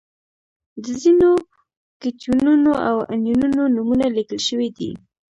د ځینو کتیونونو او انیونونو نومونه لیکل شوي دي.